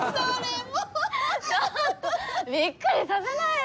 ちょっとびっくりさせないでよ。